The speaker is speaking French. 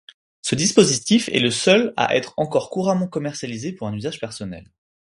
Ce dispositif est le seul à être encore couramment commercialisé pour un usage personnel.